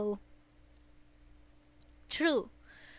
True!